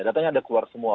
datanya ada keluar semua